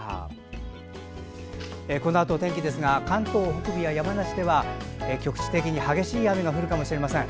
このあと天気ですが関東北部や山梨では局地的に激しい雨が降るかもしれません。